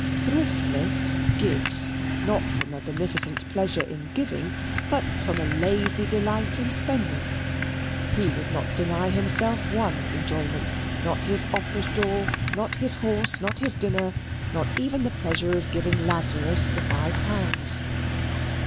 Thriftless gives, not from a beneficent pleasure in giving, but from a lazy delight in spending. He would not deny himself one enjoyment; not his opera stall, not his horse, not his dinner, not even the pleasure of giving Lazarus the five pounds.